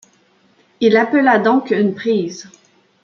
Il appela donc une prise.